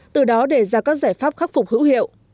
từ đó đề ra các giải pháp khắc phục hữu hiệu